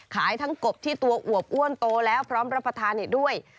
ขายทั้งกบที่ตัวอวบอ้วนโตแล้วพร้อมรับประทานอีกด้วย